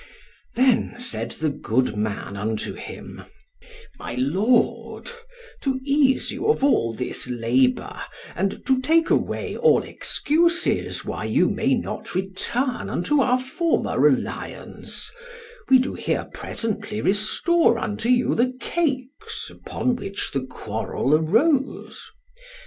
Then said the good man unto him, My lord, to ease you of all this labour, and to take away all excuses why you may not return unto our former alliance, we do here presently restore unto you the cakes upon which the quarrel arose.